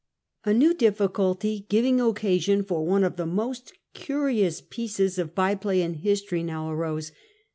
A new difficulty, giving occasion for one of the most curious pieces of by play in history, now arose.